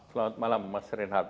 selamat malam mas reinhard